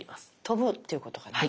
飛ぶっていうことかな？